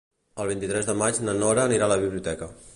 El vint-i-tres de maig na Nora anirà a la biblioteca.